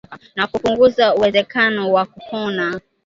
na kupunguza uwezekano wa kupona